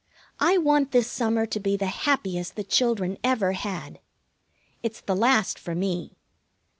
I want this summer to be the happiest the children ever had. It's the last for me.